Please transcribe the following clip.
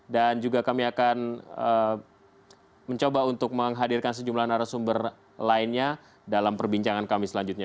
dan juga kami akan mencoba untuk menghadirkan sejumlah narasumber lainnya dalam perbincangan kami selanjutnya